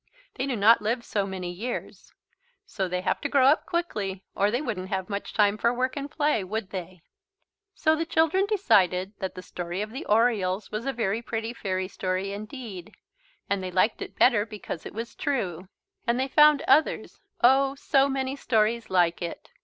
They do not live so many years. So they have to grow up quickly or they wouldn't have much time for work and play, would they? So the children decided that the story of the Orioles was a very pretty fairy story, indeed, and they liked it better because it was true. And they found others oh, so many stories like it.